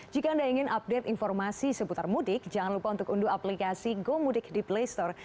jika anda ingin update informasi seputar mudik jangan lupa untuk unduh aplikasi gomudik di play store